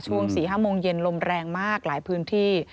ช่วง๔๕โมงเย็นลมแรงมากหลายพื้นที่